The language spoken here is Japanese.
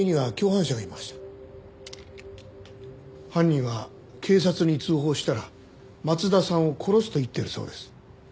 犯人は警察に通報したら松田さんを殺すと言っているそうです。